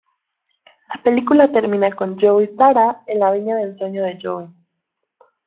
La película termina con Joe y Sara en la viña de ensueño de Joe.